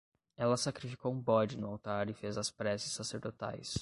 Ela sacrificou um bode no altar e fez as preces sacerdotais